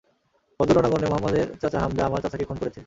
বদর রণাঙ্গনে মুহাম্মাদের চাচা হামযা আমার চাচাকে খুন করেছে।